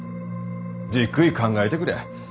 じっくり考えてくれ。